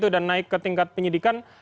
dan naik ke tingkat penyidikan